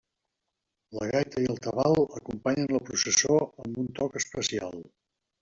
La gaita i el tabal acompanyen la processó amb un toc especial.